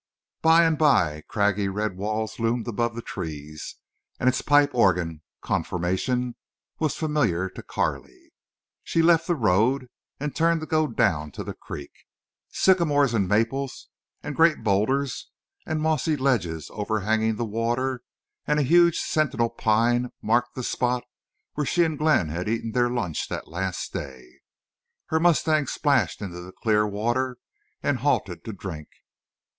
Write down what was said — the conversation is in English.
By and by a craggy red wall loomed above the trees, and its pipe organ conformation was familiar to Carley. She left the road and turned to go down to the creek. Sycamores and maples and great bowlders, and mossy ledges overhanging the water, and a huge sentinel pine marked the spot where she and Glenn had eaten their lunch that last day. Her mustang splashed into the clear water and halted to drink.